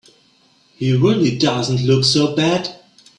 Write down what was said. He really doesn't look so bad.